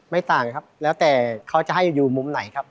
ต่างครับแล้วแต่เขาจะให้อยู่มุมไหนครับ